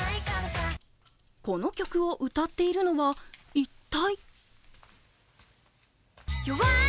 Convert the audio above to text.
この曲を歌っているのは一体？